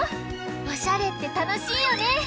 おしゃれってたのしいよね！